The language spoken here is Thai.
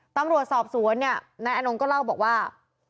ตำรวจสอบสวนเนี่ยนายอนงก็เล่าบอกว่า